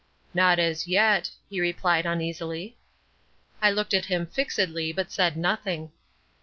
"Not as yet," he replied uneasily. I looked at him fixedly, but said nothing.